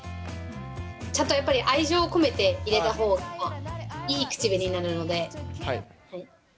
ちゃんとやっぱり、愛情込めて入れたほうが、いい口紅になるので。